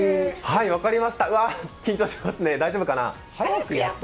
分かりました、緊張しますね大丈夫かな。